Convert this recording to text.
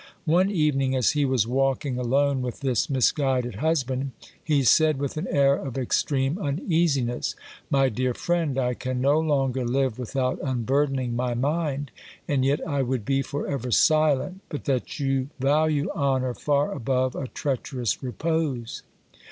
One evening as he was walking alone with this misguided husband, he said with an air of extreme uneasiness : My dear friend, I can no longer live without unburdening my mind; and yet I would be for ever silent, but that you value honour far above a treacherous repose.